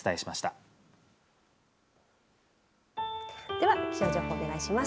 では気象情報をお願いします。